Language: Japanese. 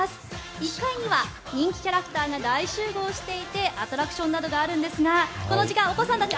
１階には人気キャラクターが大集合していてアトラクションなどがあるんですがこの時間、お子さんたち。